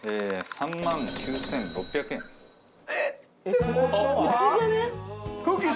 ３万９６００円ですくっきー！